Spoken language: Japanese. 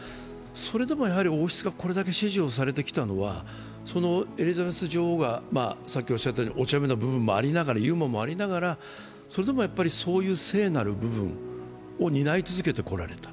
それでも王室がこれまで支持をされてきたのはエリザベス女王がお茶目な部分もありながら、ユーモアもありながらそれでもそういう聖なる部分を担い続けてこられた。